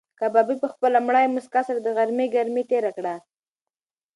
کبابي په خپله مړاوې موسکا سره د غرمې ګرمي تېره کړه.